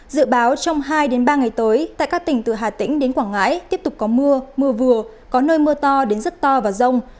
dự báo trong hai ba ngày tới tại các tỉnh từ hà tĩnh đến quảng ngãi tiếp tục có mưa mưa vừa có nơi mưa to đến rất to và rông